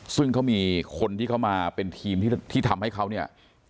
ซึ่งเขามีคนที่เขามาเป็นทีมที่ทำให้เขาเนี่ย